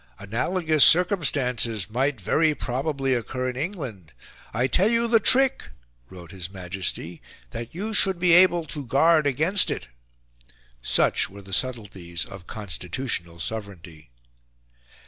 Analogous circumstances might very probably occur in England. I tell you the TRICK," wrote His Majesty, "that you should be able to guard against it." Such were the subtleties of constitutional sovereignty.